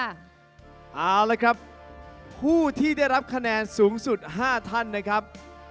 เอาละครับผู้ที่ได้รับคะแนนสูงสุด๕ท่านนะครับ